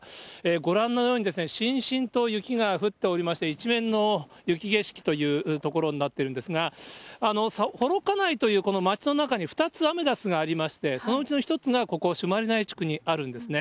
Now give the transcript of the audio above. ご覧のようにしんしんと雪が降っておりまして、一面の雪景色という所になってるんですが、幌加内というこの街の中に、２つアメダスがありまして、そのうちの１つがここ、朱鞠内地区にあるんですね。